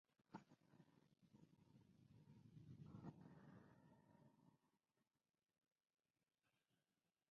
Como actor ha trabajado en cine, televisión y teatro.